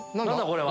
これは。